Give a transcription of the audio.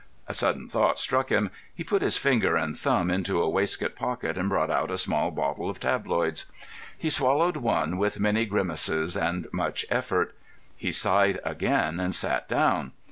A sudden thought struck him. He put his finger and thumb into a waistcoat pocket, and brought out a small bottle of tabloids. He swallowed one with many grimaces and much effort. He sighed again and sat down.